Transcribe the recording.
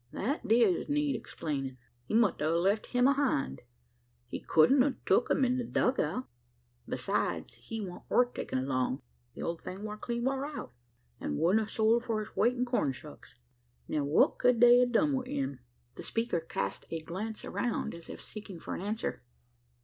"That diz need explainin'. He must a left him ahind. He culdn't a tuk him in the dug out; besides, he wan't worth takin' along. The old thing war clean wore out, an' wuldn't a sold for his weight in corn shucks. Now, what ked they a done wi' him?" The speaker cast a glance around, as if seeking for an answer.